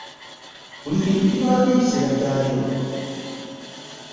Buli kintu kibaako ekiseera kyakyo.